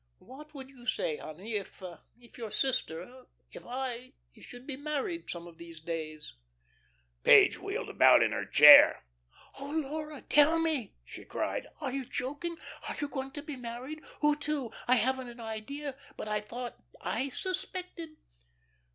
What would you say, honey, if if your sister, if I should be married some of these days?" Page wheeled about in her chair. "Oh, Laura, tell me," she cried, "are you joking? Are you going to be married? Who to? I hadn't an idea, but I thought I suspected."